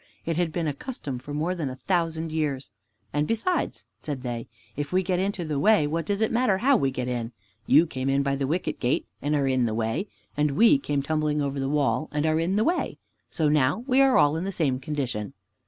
It had been a custom for more than a thousand years. And besides, said they, "If we get into the way, what does it matter how we get in? You came in by the Wicket gate, and are in the way, and we came tumbling over the wall and are in the way, so now we are all in the same condition."